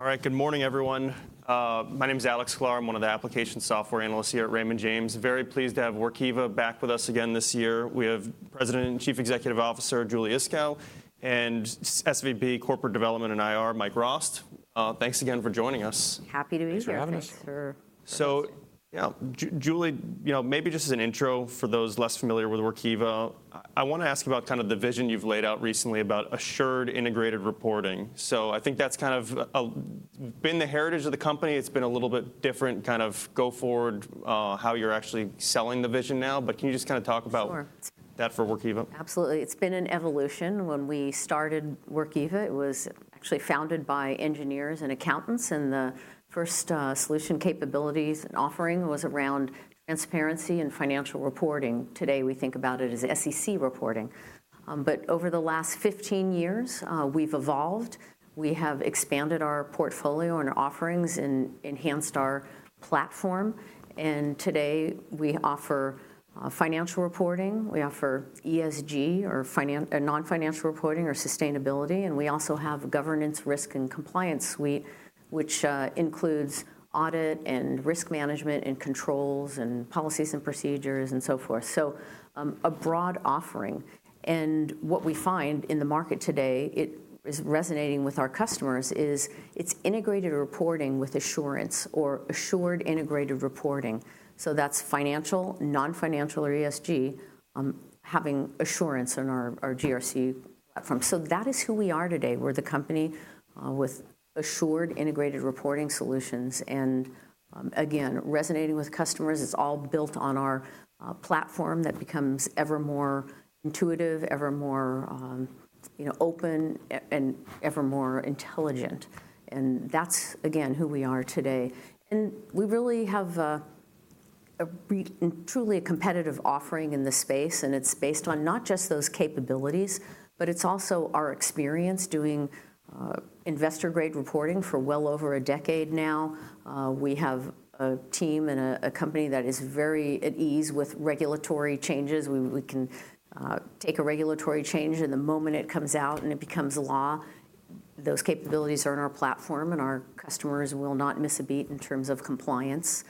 All right. Good morning, everyone. My name is Alex Sklar. I'm one of the application software analysts here at Raymond James. Very pleased to have Workiva back with us again this year. We have President and Chief Executive Officer, Julie Iskow, and SVP, Corporate Development and IR, Mike Rost. Thanks again for joining us. Happy to be here. Thanks for having us, sure. So, yeah, Julie, you know, maybe just as an intro for those less familiar with Workiva, I want to ask about kind of the vision you've laid out recently about Assured Integrated Reporting. So I think that's kind of been the heritage of the company. It's been a little bit different, kind of go forward, how you're actually selling the vision now. But can you just kind of talk about- Sure - that for Workiva? Absolutely. It's been an evolution. When we started Workiva, it was actually founded by engineers and accountants, and the first solution, capabilities, and offering was around transparency and financial reporting. Today, we think about it as SEC reporting. But over the last 15 years, we've evolved, we have expanded our portfolio and offerings and enhanced our platform, and today we offer financial reporting, we offer ESG or non-financial reporting or sustainability, and we also have governance risk and compliance suite, which includes audit and risk management and controls and policies and procedures and so forth. So, a broad offering. And what we find in the market today, it is resonating with our customers, is it's integrated reporting with assurance or Assured Integrated Aeporting. So that's financial, non-financial or ESG, having assurance in our GRC firm. So that is who we are today. We're the company with Assured Integrated Reporting solutions and, again, resonating with customers. It's all built on our platform that becomes ever more intuitive, ever more, you know, open and ever more intelligent. And that's, again, who we are today. And we really have a truly competitive offering in this space, and it's based on not just those capabilities, but it's also our experience doing investor-grade reporting for well over a decade now. We have a team and a company that is very at ease with regulatory changes. We can take a regulatory change, and the moment it comes out and it becomes law, those capabilities are in our platform, and our customers will not miss a beat in terms of compliance.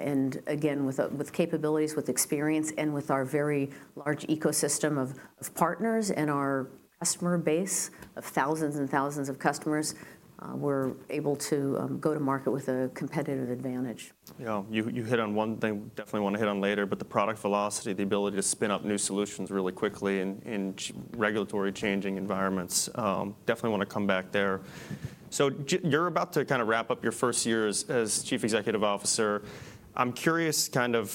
And again, with capabilities, with experience, and with our very large ecosystem of partners and our customer base of thousands and thousands of customers, we're able to go to market with a competitive advantage. Yeah, you, you hit on one thing I definitely want to hit on later, but the product velocity, the ability to spin up new solutions really quickly in changing regulatory environments, definitely want to come back there. So, you're about to kind of wrap up your first year as Chief Executive Officer. I'm curious, kind of,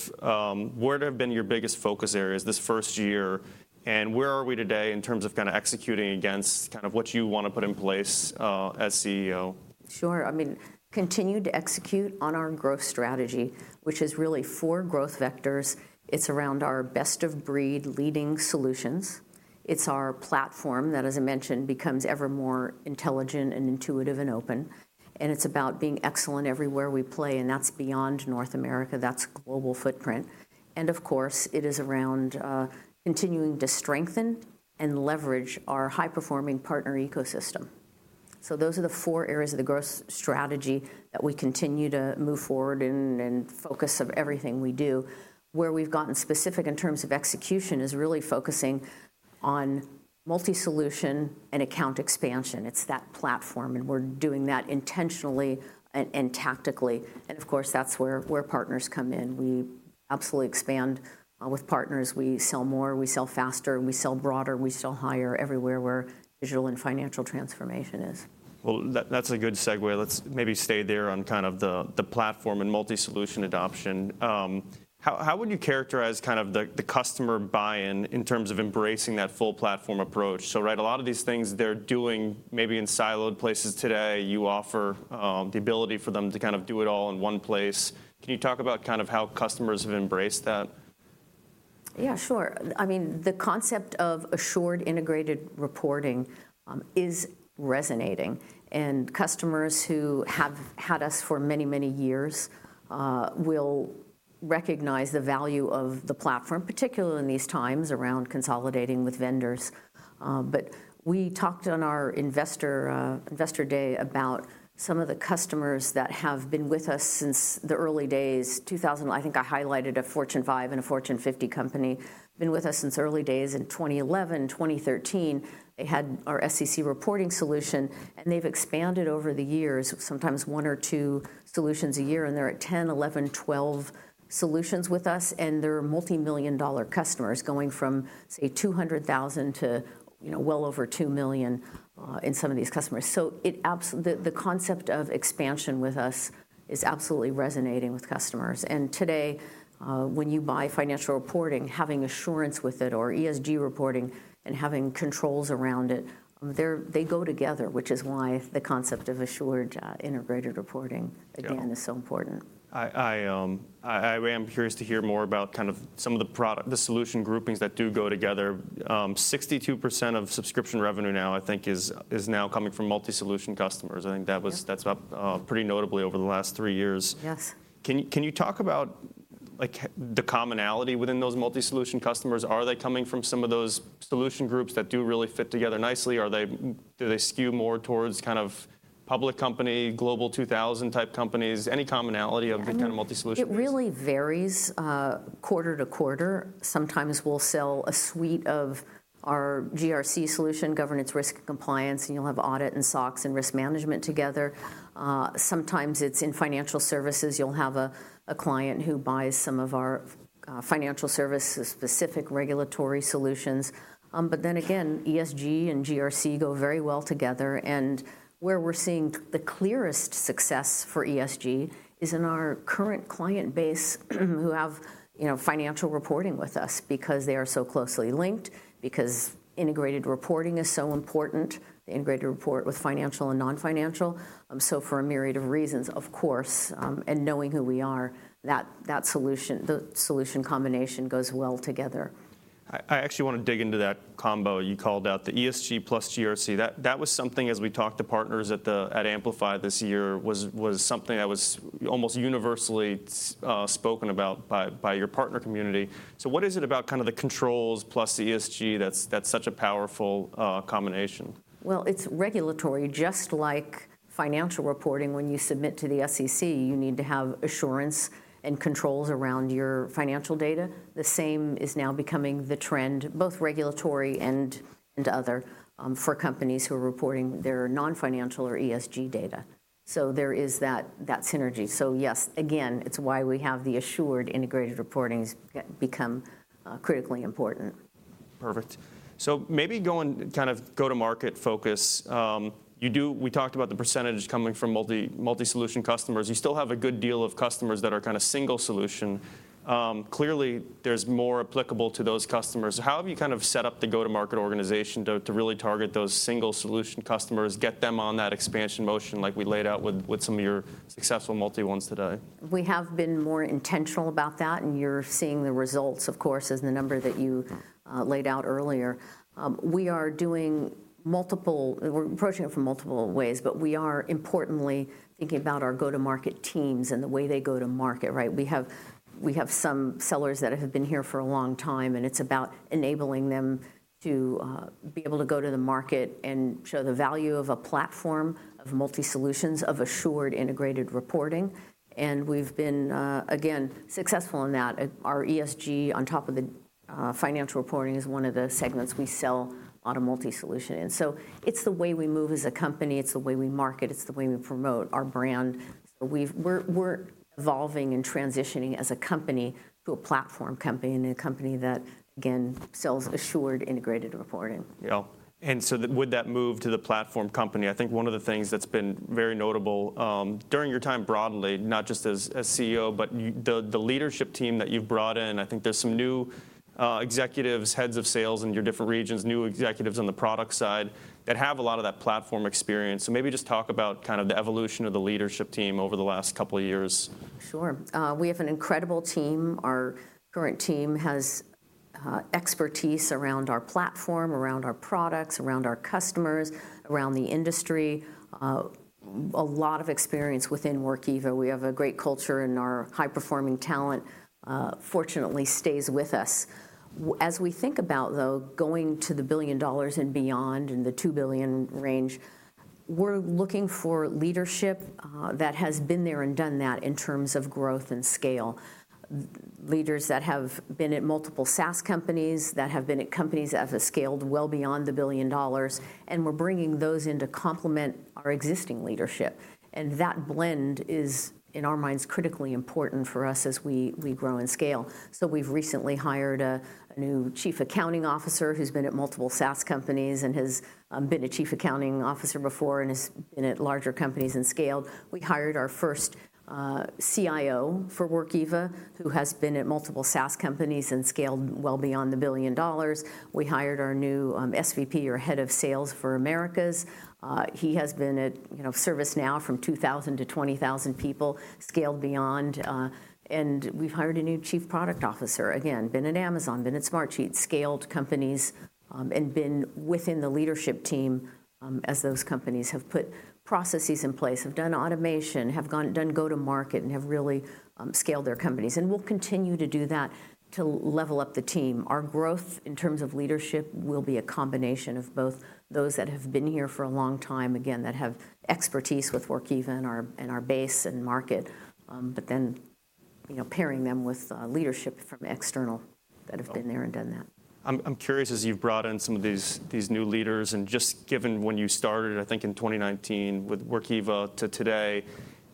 where have been your biggest focus areas this first year, and where are we today in terms of kind of executing against kind of what you want to put in place, as CEO? Sure. I mean, continue to execute on our growth strategy, which is really four growth vectors. It's around our best-of-breed leading solutions. It's our platform that, as I mentioned, becomes ever more intelligent and intuitive and open, and it's about being excellent everywhere we play, and that's beyond North America. That's global footprint. And of course, it is around continuing to strengthen and leverage our high-performing partner ecosystem. So those are the four areas of the growth strategy that we continue to move forward and focus of everything we do. Where we've gotten specific in terms of execution is really focusing on multi-solution and account expansion. It's that platform, and we're doing that intentionally and tactically. And of course, that's where partners come in. We absolutely expand with partners. We sell more, we sell faster, we sell broader, we sell higher everywhere where digital and financial transformation is. Well, that, that's a good segue. Let's maybe stay there on kind of the, the platform and multi-solution adoption. How, how would you characterize kind of the, the customer buy-in in terms of embracing that full platform approach? So, right, a lot of these things they're doing maybe in siloed places today, you offer, the ability for them to kind of do it all in one place. Can you talk about kind of how customers have embraced that? Yeah, sure. I mean, the concept of Assured Integrated Reporting is resonating, and customers who have had us for many, many years will recognize the value of the platform, particularly in these times, around consolidating with vendors. But we talked on our investor Investor Day about some of the customers that have been with us since the early days. I think I highlighted a Fortune 500 and a Fortune 50 company. Been with us since early days in 2011, 2013. They had our SEC reporting solution, and they've expanded over the years, sometimes 1 or 2 solutions a year, and they're at 10, 11, 12 solutions with us, and they're multimillion-dollar customers, going from, say, $200,000 to, you know, well over $2 million in some of these customers. So, the concept of expansion with us is absolutely resonating with customers. And today, when you buy financial reporting, having assurance with it, or ESG reporting and having controls around it, they go together, which is why the concept of assured integrated reporting- Yeah - again, is so important. I am curious to hear more about kind of some of the product, the solution groupings that do go together. 62% of subscription revenue now, I think, is now coming from multi-solution customers. I think that was- Yeah... that's up, pretty notably over the last three years. Yes. Can you, can you talk about, like, the commonality within those multi-solution customers? Are they coming from some of those solution groups that do really fit together nicely? Do they skew more towards kind of public company, Global 2000 type companies? Any commonality of the kind of multi-solution customers? It really varies quarter to quarter. Sometimes we'll sell a suite of our GRC solution, governance, risk, and compliance, and you'll have audit and SOX and risk management together. Sometimes it's in financial services. You'll have a client who buys some of our financial services-specific regulatory solutions. But then again, ESG and GRC go very well together, and where we're seeing the clearest success for ESG is in our current client base, who have, you know, financial reporting with us because they are so closely linked, because integrated reporting is so important, the integrated report with financial and non-financial. So for a myriad of reasons, of course, and knowing who we are, that solution, the solution combination goes well together. I actually want to dig into that combo. You called out the ESG plus GRC. That was something as we talked to partners at Amplify this year, was something that was almost universally spoken about by your partner community. So what is it about kind of the controls plus the ESG that's such a powerful combination? Well, it's regulatory. Just like financial reporting, when you submit to the SEC, you need to have assurance and controls around your financial data. The same is now becoming the trend, both regulatory and, and other, for companies who are reporting their non-financial or ESG data. So there is that, that synergy. So yes, again, it's why we have the assured integrated reportings get, become, critically important. Perfect. So maybe go and kind of go-to-market focus. We talked about the percentage coming from multi, multi-solution customers. You still have a good deal of customers that are kind of single solution. Clearly, there's more applicable to those customers. How have you kind of set up the go-to-market organization to really target those single solution customers, get them on that expansion motion like we laid out with some of your successful multi ones today? We have been more intentional about that, and you're seeing the results, of course, as the number that you laid out earlier. We are doing multiple. We're approaching it from multiple ways, but we are importantly thinking about our go-to-market teams and the way they go to market, right? We have, we have some sellers that have been here for a long time, and it's about enabling them to be able to go to the market and show the value of a platform of multi-solutions, of Assured Integrated Reporting. And we've been, again, successful in that. Our ESG, on top of the financial reporting, is one of the segments we sell on a multi-solution. And so it's the way we move as a company, it's the way we market, it's the way we promote our brand. We're evolving and transitioning as a company to a platform company and a company that, again, sells Assured Integrated Reporting. Yeah. And so with that move to the platform company, I think one of the things that's been very notable during your time broadly, not just as CEO, but the leadership team that you've brought in, I think there's some new executives, heads of sales in your different regions, new executives on the product side, that have a lot of that platform experience. So maybe just talk about kind of the evolution of the leadership team over the last couple of years. Sure. We have an incredible team. Our current team has expertise around our platform, around our products, around our customers, around the industry, a lot of experience within Workiva. We have a great culture, and our high-performing talent, fortunately, stays with us. As we think about, though, going to $1 billion and beyond, in the $2 billion range, we're looking for leadership that has been there and done that in terms of growth and scale. Leaders that have been at multiple SaaS companies, that have been at companies that have scaled well beyond $1 billion, and we're bringing those in to complement our existing leadership. And that blend is, in our minds, critically important for us as we grow and scale. So we've recently hired a new Chief Accounting Officer who's been at multiple SaaS companies and has been a Chief Accounting Officer before and has been at larger companies and scaled. We hired our first CIO for Workiva, who has been at multiple SaaS companies and scaled well beyond $1 billion. We hired our new SVP or head of sales for Americas. He has been at, you know, ServiceNow from 2,000 to 20,000 people, scaled beyond. And we've hired a new Chief Product Officer. Again, been at Amazon, been at Smartsheet, scaled companies, and been within the leadership team as those companies have put processes in place, have done automation, have done go-to-market, and have really scaled their companies. And we'll continue to do that to level up the team. Our growth in terms of leadership will be a combination of both those that have been here for a long time, again, that have expertise with Workiva and our, and our base and market, but then, you know, pairing them with leadership from external that have been there and done that. I'm curious, as you've brought in some of these new leaders, and just given when you started, I think in 2019 with Workiva to today,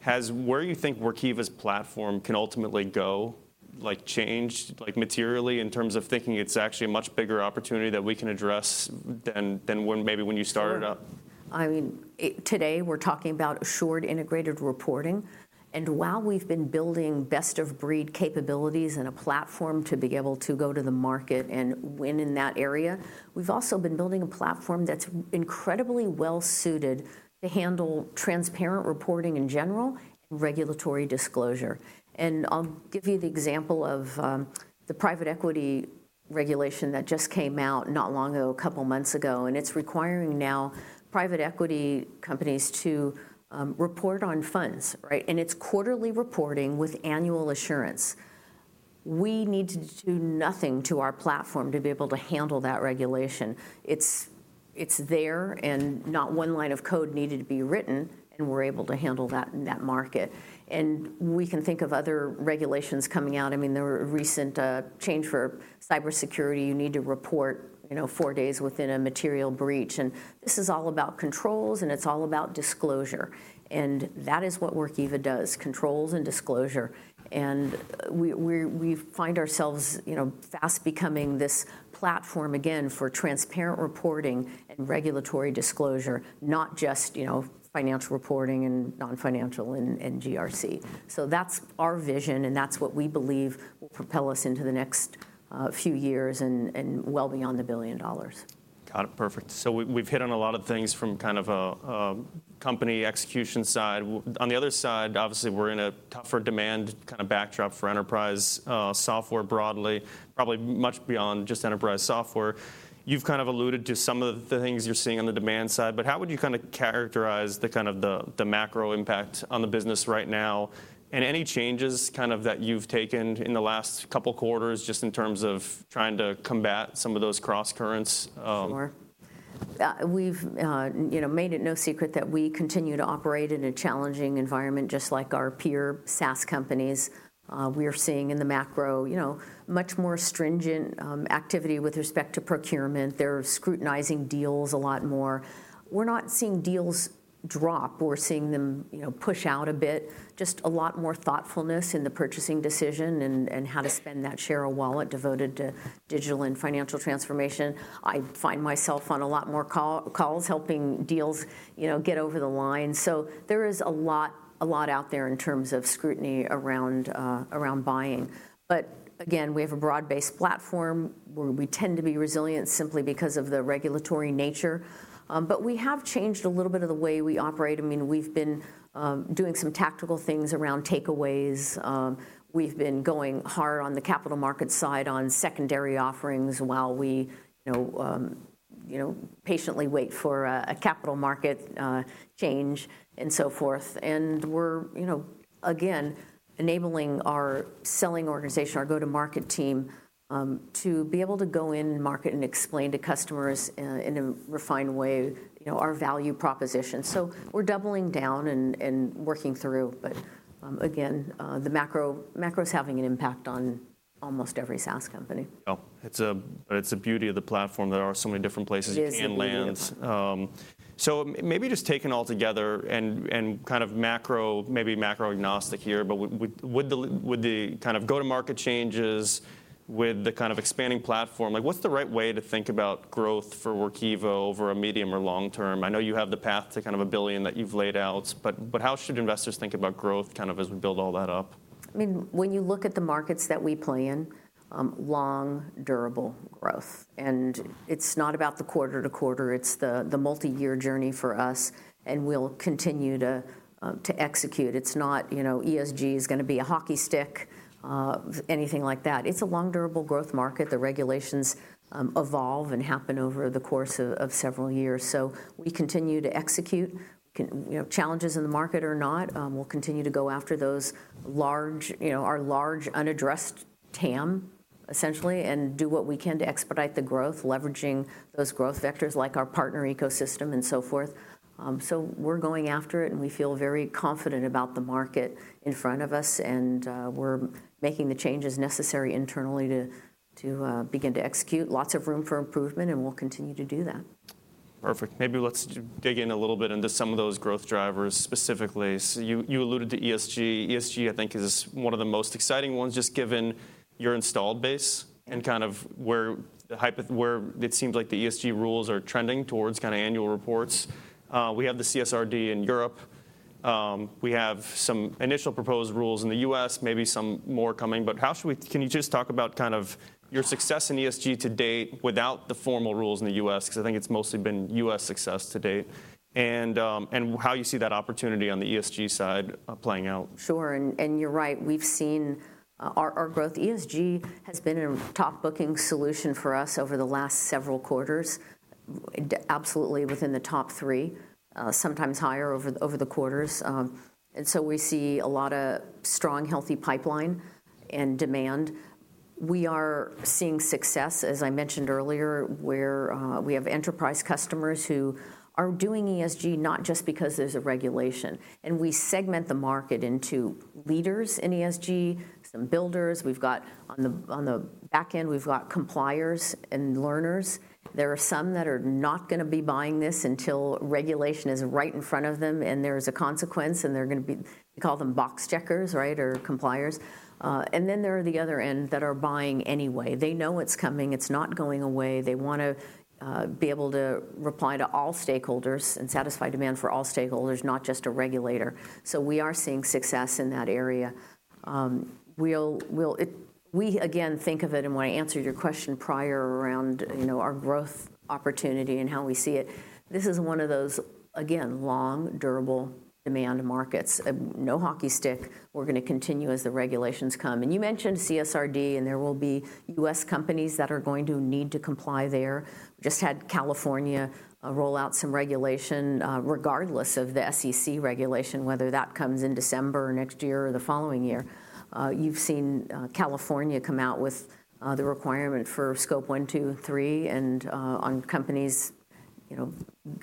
has where you think Workiva's platform can ultimately go, like, changed, like, materially in terms of thinking it's actually a much bigger opportunity that we can address than when maybe when you started up? Sure. I mean, today, we're talking about assured integrated reporting, and while we've been building best-of-breed capabilities and a platform to be able to go to the market and win in that area, we've also been building a platform that's incredibly well suited to handle transparent reporting in general and regulatory disclosure. And I'll give you the example of the private equity regulation that just came out not long ago, a couple months ago, and it's requiring now private equity companies to report on funds, right? And it's quarterly reporting with annual assurance. We need to do nothing to our platform to be able to handle that regulation. It's there, and not one line of code needed to be written, and we're able to handle that in that market. And we can think of other regulations coming out. I mean, there were a recent change for cybersecurity. You need to report, you know, 4 days within a material breach, and this is all about controls, and it's all about disclosure, and that is what Workiva does, controls and disclosure. And we find ourselves, you know, fast becoming this platform again for transparent reporting and regulatory disclosure, not just, you know, financial reporting and non-financial and GRC. So that's our vision, and that's what we believe will propel us into the next few years and well beyond $1 billion. Got it. Perfect. So we, we've hit on a lot of things from kind of a, company execution side. On the other side, obviously, we're in a tougher demand kinda backdrop for enterprise software broadly, probably much beyond just enterprise software. You've kind of alluded to some of the things you're seeing on the demand side, but how would you kinda characterize the kind of the, the macro impact on the business right now, and any changes kind of that you've taken in the last couple quarters, just in terms of trying to combat some of those crosscurrents, Sure. We've, you know, made it no secret that we continue to operate in a challenging environment, just like our peer SaaS companies. We are seeing in the macro, you know, much more stringent activity with respect to procurement. They're scrutinizing deals a lot more. We're not seeing deals drop. We're seeing them, you know, push out a bit, just a lot more thoughtfulness in the purchasing decision and, and how to spend that share of wallet devoted to digital and financial transformation. I find myself on a lot more calls, helping deals, you know, get over the line. So there is a lot, a lot out there in terms of scrutiny around, around buying. But again, we have a broad-based platform where we tend to be resilient simply because of the regulatory nature. But we have changed a little bit of the way we operate. I mean, we've been doing some tactical things around takeaways. We've been going hard on the capital market side, on secondary offerings while we, you know, you know, patiently wait for a capital market change and so forth. And we're, you know, again, enabling our selling organization, our go-to-market team, to be able to go in and market and explain to customers, in a refined way, you know, our value proposition. So we're doubling down and working through, but, again, the macro's having an impact on almost every SaaS company. Well, it's, it's the beauty of the platform. There are so many different places- It is the beauty.... you can land. So maybe just taken all together and kind of macro, maybe macro-agnostic here, but with the kind of go-to-market changes, with the kind of expanding platform, like, what's the right way to think about growth for Workiva over a medium or long term? I know you have the path to kind of a billion that you've laid out, but how should investors think about growth, kind of as we build all that up? I mean, when you look at the markets that we play in, long, durable growth, and it's not about the quarter to quarter, it's the, the multi-year journey for us, and we'll continue to to execute. It's not, you know, ESG is gonna be a hockey stick, anything like that. It's a long, durable growth market. The regulations, evolve and happen over the course of, of several years. So we continue to execute. You know, challenges in the market or not, we'll continue to go after those large, you know, our large, unaddressed TAM, essentially, and do what we can to expedite the growth, leveraging those growth vectors, like our partner ecosystem and so forth. So we're going after it, and we feel very confident about the market in front of us, and we're making the changes necessary internally to begin to execute. Lots of room for improvement, and we'll continue to do that. Perfect. Maybe let's dig in a little bit into some of those growth drivers specifically. So you, you alluded to ESG. ESG, I think, is one of the most exciting ones, just given your installed base and kind of where the hype- where it seems like the ESG rules are trending towards kinda annual reports. We have the CSRD in Europe. We have some initial proposed rules in the U.S., maybe some more coming, but how should we... Can you just talk about kind of your success in ESG to date without the formal rules in the U.S.? 'Cause I think it's mostly been U.S. success to date, and, and how you see that opportunity on the ESG side playing out? Sure, and you're right. We've seen our growth. ESG has been a top booking solution for us over the last several quarters, absolutely within the top three, sometimes higher over the quarters. So we see a lot of strong, healthy pipeline and demand. We are seeing success, as I mentioned earlier, where we have enterprise customers who are doing ESG not just because there's a regulation. We segment the market into leaders in ESG, some builders. On the back end, we've got compliers and learners. There are some that are not gonna be buying this until regulation is right in front of them, and there's a consequence, and they're gonna be - we call them box checkers, right? Or compliers. And then there are the other end that are buying anyway. They know it's coming. It's not going away. They want to be able to reply to all stakeholders and satisfy demand for all stakeholders, not just a regulator. So we are seeing success in that area. We again think of it, and when I answered your question prior around, you know, our growth opportunity and how we see it, this is one of those, again, long, durable-demand markets. No hockey stick. We're gonna continue as the regulations come. And you mentioned CSRD, and there will be U.S. companies that are going to need to comply there. Just had California roll out some regulation, regardless of the SEC regulation, whether that comes in December, next year, or the following year. You've seen California come out with the requirement for Scope 1, 2, 3, and on companies. You know,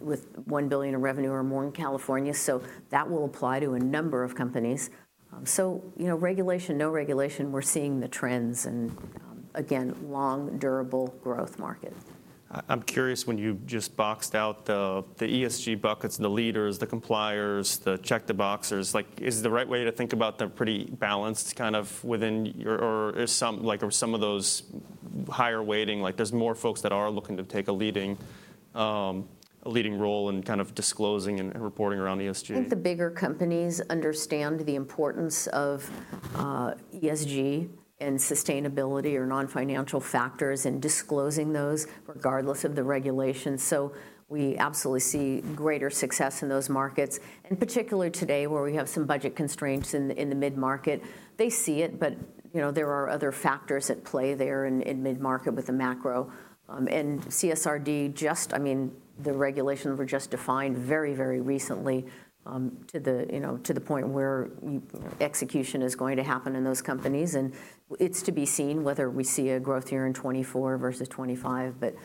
with $1 billion in revenue or more in California, so that will apply to a number of companies. So, you know, regulation, no regulation, we're seeing the trends and, again, long, durable growth market. I'm curious, when you just boxed out the ESG buckets, the leaders, the compliers, the check-the-boxers, like, is the right way to think about them pretty balanced, kind of within your- or is some, like, are some of those higher weighting, like, there's more folks that are looking to take a leading, a leading role in kind of disclosing and reporting around ESG? I think the bigger companies understand the importance of ESG and sustainability or non-financial factors, and disclosing those regardless of the regulation. So we absolutely see greater success in those markets, in particular today, where we have some budget constraints in the mid-market. They see it, but you know, there are other factors at play there in mid-market with the macro. And CSRD just—I mean, the regulations were just defined very, very recently to the point where execution is going to happen in those companies. And it's to be seen whether we see a growth year in 2024 versus 2025. But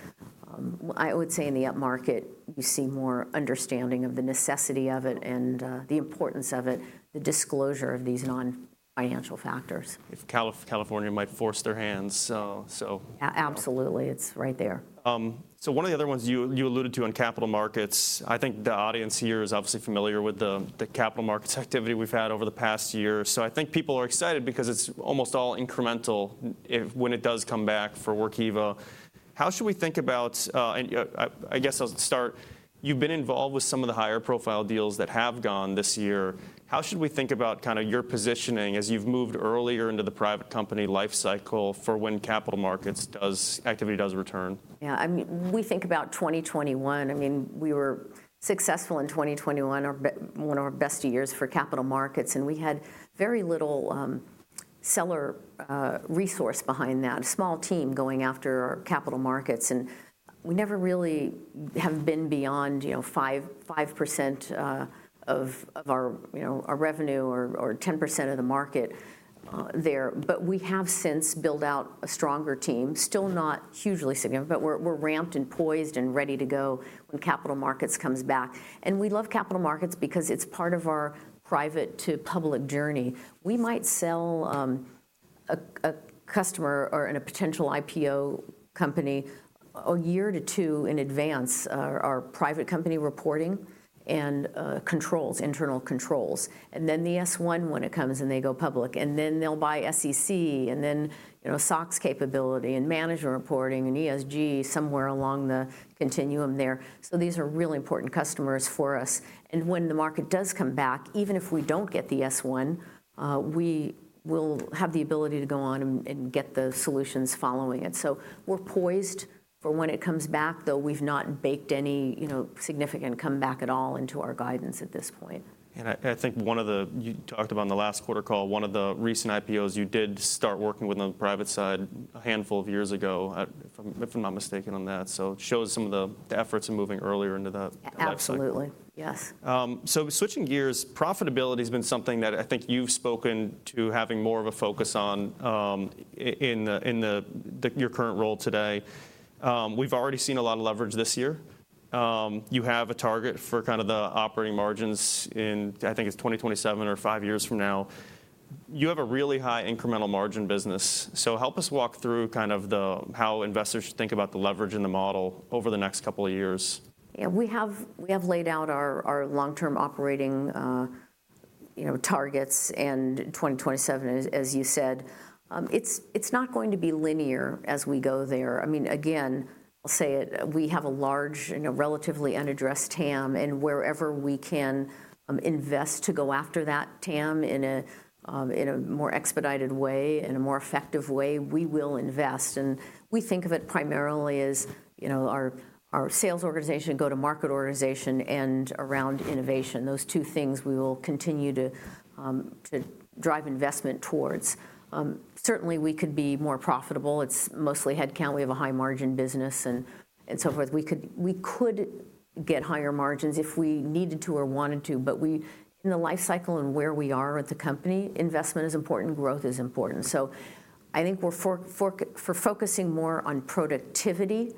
I would say in the upmarket, you see more understanding of the necessity of it and the importance of it, the disclosure of these non-financial factors. If California might force their hand, so, so- Absolutely, it's right there. So one of the other ones you alluded to on capital markets, I think the audience here is obviously familiar with the capital markets activity we've had over the past year. So I think people are excited because it's almost all incremental when it does come back for Workiva. How should we think about... And I guess I'll start, you've been involved with some of the higher-profile deals that have gone this year. How should we think about kind of your positioning as you've moved earlier into the private company life cycle for when capital markets does, activity does return? Yeah, I mean, we think about 2021. I mean, we were successful in 2021, one of our best years for capital markets, and we had very little sales resource behind that, a small team going after capital markets. We never really have been beyond, you know, 5% of our revenue or 10% of the market there. But we have since built out a stronger team, still not hugely significant, but we're ramped and poised and ready to go when capital markets comes back. And we love capital markets because it's part of our private to public journey. We might sell a customer or a potential IPO company 1-2 years in advance, our private company reporting and controls, internal controls, and then the S-1 when it comes, and they go public. And then they'll buy SEC, and then, you know, SOX capability and management reporting and ESG somewhere along the continuum there. So these are really important customers for us. And when the market does come back, even if we don't get the S-1, we will have the ability to go on and get the solutions following it. So we're poised for when it comes back, though we've not baked any, you know, significant comeback at all into our guidance at this point. And I think one of the... You talked about in the last quarter call, one of the recent IPOs you did start working with on the private side a handful of years ago, if I'm not mistaken on that. So it shows some of the efforts in moving earlier into the life cycle. Absolutely, yes. Switching gears, profitability has been something that I think you've spoken to, having more of a focus on in your current role today. We've already seen a lot of leverage this year. You have a target for kind of the operating margins in 2027, I think, or five years from now. You have a really high incremental margin business. Help us walk through kind of how investors should think about the leverage in the model over the next couple of years. Yeah, we have laid out our long-term operating, you know, targets, and 2027, as you said. It's not going to be linear as we go there. I mean, again, I'll say it, we have a large and a relatively unaddressed TAM, and wherever we can invest to go after that TAM in a more expedited way, in a more effective way, we will invest. And we think of it primarily as, you know, our sales organization, go-to-market organization, and around innovation. Those two things we will continue to drive investment towards. Certainly, we could be more profitable. It's mostly headcount. We have a high margin business and so forth. We could get higher margins if we needed to or wanted to, but in the life cycle and where we are as a company, investment is important, growth is important. So I think we're focusing more on productivity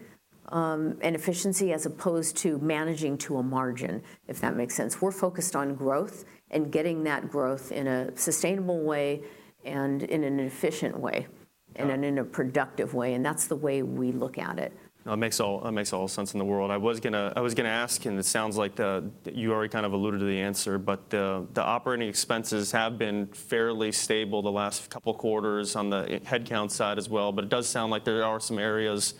and efficiency as opposed to managing to a margin, if that makes sense. We're focused on growth and getting that growth in a sustainable way and in an efficient way- Uh... and in a productive way, and that's the way we look at it. That makes all, that makes all sense in the world. I was gonna, I was gonna ask, and it sounds like the, you already kind of alluded to the answer, but, the operating expenses have been fairly stable the last couple of quarters on the headcount side as well. But it does sound like there are some areas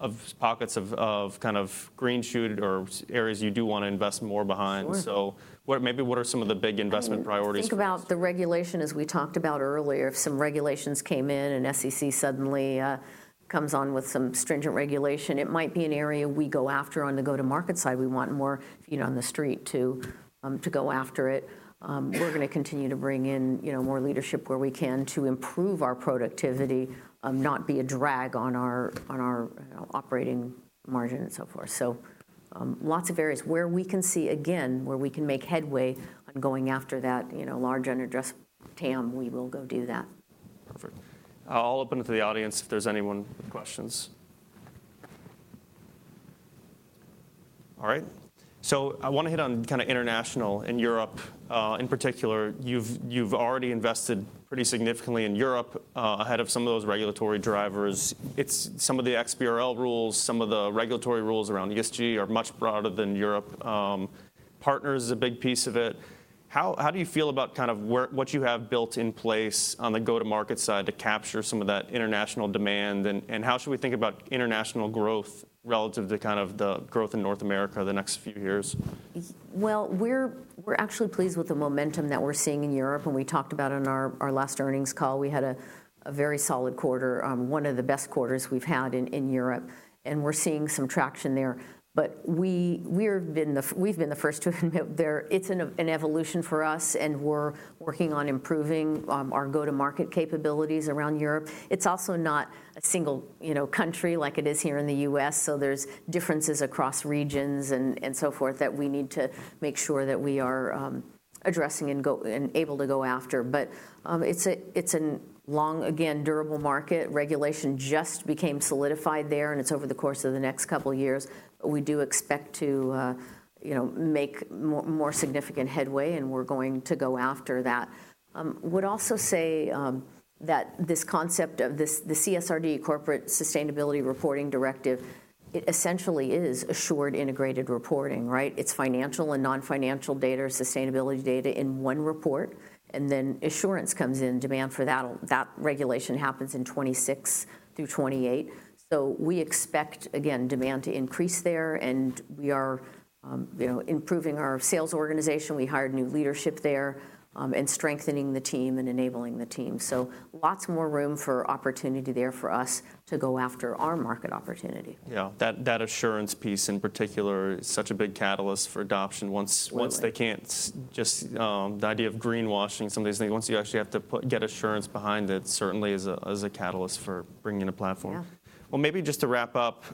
of pockets of, of kind of green shoot or areas you do want to invest more behind. Sure. What, maybe, what are some of the big investment priorities for us? Think about the regulation as we talked about earlier. If some regulations came in and SEC suddenly comes on with some stringent regulation, it might be an area we go after. On the go-to-market side, we want more, you know, on the street to go after it. We're gonna continue to bring in, you know, more leadership where we can to improve our productivity, not be a drag on our operating margin and so forth. So, lots of areas where we can see again, where we can make headway on going after that, you know, large unaddressed TAM, we will go do that.... Perfect. I'll open it to the audience if there's anyone with questions. All right, so I wanna hit on kind of international and Europe, in particular. You've, you've already invested pretty significantly in Europe, ahead of some of those regulatory drivers. It's some of the XBRL rules, some of the regulatory rules around ESG are much broader than Europe. Partners is a big piece of it. How, how do you feel about kind of what you have built in place on the go-to-market side to capture some of that international demand? And, and how should we think about international growth relative to kind of the growth in North America the next few years? Well, we're actually pleased with the momentum that we're seeing in Europe, and we talked about it in our last earnings call. We had a very solid quarter, one of the best quarters we've had in Europe, and we're seeing some traction there. But we've been the first to there. It's an evolution for us, and we're working on improving our go-to-market capabilities around Europe. It's also not a single, you know, country like it is here in the U.S., so there's differences across regions and so forth that we need to make sure that we are addressing and able to go after. But it's a long, again, durable market. Regulation just became solidified there, and it's over the course of the next couple of years. We do expect to, you know, make more significant headway, and we're going to go after that. Would also say that this concept of this, the CSRD, Corporate Sustainability Reporting Directive, it essentially is assured integrated reporting, right? It's financial and non-financial data, sustainability data in one report, and then assurance comes in. Demand for that'll, that regulation happens in 2026 through 2028. So we expect, again, demand to increase there, and we are, you know, improving our sales organization. We hired new leadership there, and strengthening the team and enabling the team. So lots more room for opportunity there for us to go after our market opportunity. Yeah, that, that assurance piece in particular is such a big catalyst for adoption. Really. Once they can't just... The idea of greenwashing some of these things, once you actually have to get assurance behind it, certainly is a catalyst for bringing a platform. Yeah. Well, maybe just to wrap up,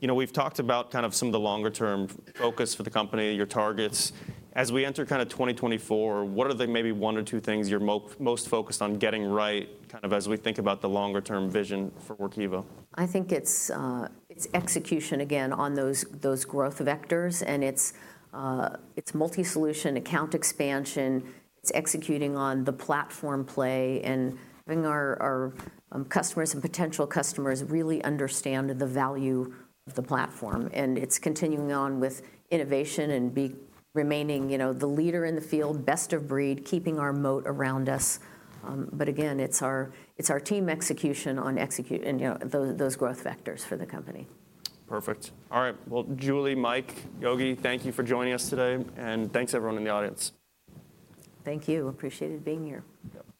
you know, we've talked about kind of some of the longer term focus for the company, your targets. As we enter kind of 2024, what are the maybe one or two things you're most focused on getting right, kind of as we think about the longer term vision for Workiva? I think it's execution again on those growth vectors, and it's multi-solution account expansion, it's executing on the platform play and having our customers and potential customers really understand the value of the platform. And it's continuing on with innovation and remaining, you know, the leader in the field, best of breed, keeping our moat around us. But again, it's our team execution on execute and, you know, those growth vectors for the company. Perfect. All right. Well, Julie, Mike, Yogi, thank you for joining us today, and thanks everyone in the audience. Thank you. Appreciated being here. Yep.